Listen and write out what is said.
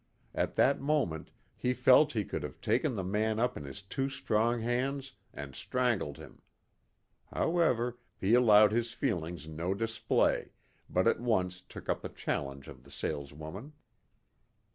At that moment he felt he could have taken the man up in his two strong hands and strangled him. However, he allowed his feelings no display, but at once took up the challenge of the saleswoman.